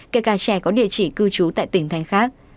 kể cả trẻ có địa chỉ cư trú tại tỉnh thành khác